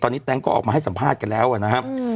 ตอนนี้แต๊งก็ออกมาให้สัมภาษณ์กันแล้วนะครับ